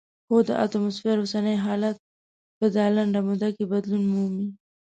هوا د اتموسفیر اوسنی حالت دی چې په لنډه موده کې بدلون مومي.